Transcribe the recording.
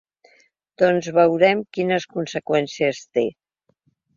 Doncs veurem quines conseqüències té.